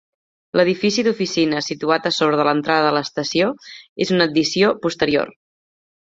L'edifici d'oficines situat a sobre de l'entrada de l'estació és una addició posterior.